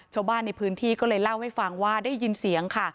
ชาวบ้านในพื้นที่ก็เลยเล่าให้ฟังว่าได้ยินเสียงค่ะ